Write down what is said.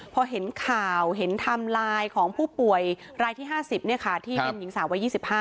พอเห็นข่าวเห็นไทม์ไลน์ของผู้ป่วยรายที่๕๐ที่เป็นหญิงสาววัย๒๕